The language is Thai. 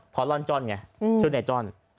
พอร้อนจ้อนไงชื่อในจ้อน